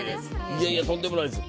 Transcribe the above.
いやいやとんでもないです。